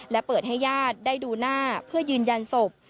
และเปิดให้ญาติได้ดูหน้าเพื่อยืนยันศพ